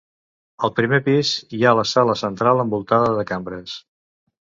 Al primer pis hi ha la sala central envoltada de cambres.